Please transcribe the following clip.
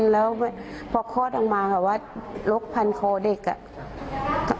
แล้วพอคลอดออกมาคือว่ารกพันธุ์คอเด็ก